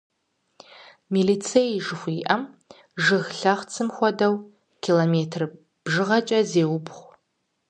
Мицелий жыхуаӏэм, жыг лъэхъцым хуэдэу, километр бжыгъэкӏэ зеубгъу.